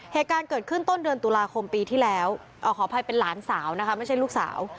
เหตุการณ์เกิดขึ้นต้นเดือนตุลาคมปีที่แล้วขออภัยเป็นหลานสาวนะคะไม่ใช่ลูกสาว